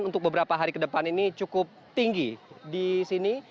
untuk beberapa hari ke depan ini cukup tinggi di sini